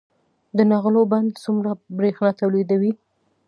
د نغلو بند څومره بریښنا تولیدوي؟